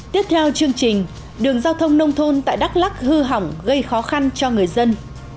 tiếp theo chương trình đường giao thông nông thôn tại đắk lắc hư hỏng gây khó khăn cho người dân